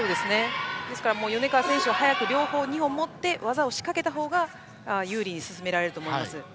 ですから米川選手は両方を持って技を仕掛けた方が有利に進められると思います。